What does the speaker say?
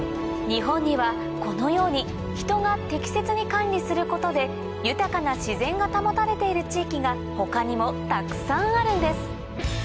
日本にはこのように人が適切に管理することで豊かな自然が保たれている地域が他にもたくさんあるんです